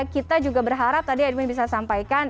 kita juga berharap tadi edwin bisa sampaikan